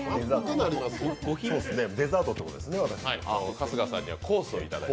デザートってことですね。